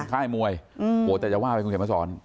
ใช่มวยแต่อย่าว่าไปคุณเขียนมาสอน